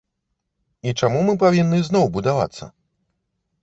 І чаму мы павінны зноў будавацца?